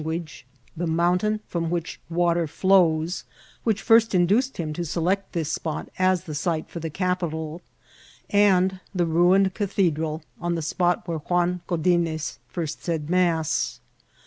kagnage, the moimtain from which water flows, which first induced him to select this spot as the site for the capital ; and the ruined cathedral, oa the iqpot where Juan (iodines first said mass.